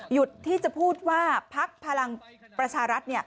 หยุดที่จะพูดว่าพักพลังประชารัฐ